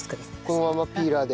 このままピーラーで？